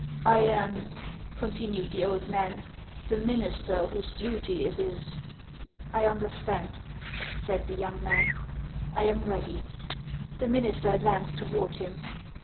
" I am," continued the old man, " the minister whose duty it is —"" I understand," said the young man ;" I am ready." The minister advanced toward him.